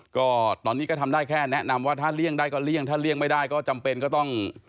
ก็ตอนนี้ก็ทำได้แค่แนะนำว่าถ้าเลี่ยงได้ก็เลี่ยงถ้าเลี่ยงไม่ได้ก็จำเป็นก็ต้อง